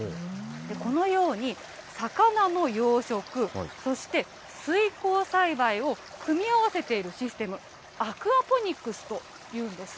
このように、魚の養殖、そして水耕栽培を組み合わせているシステム、アクアポニックスというんです。